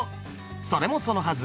それもそのはず